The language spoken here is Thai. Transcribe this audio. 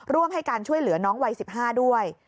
ร่วมให้การช่วยเหลือน้องวัย๑๕ด้วย